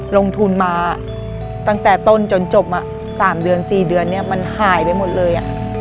ลงทุนมาตั้งแต่ต้นจนจบ๓๔เดือนมันหายไปหมดเลย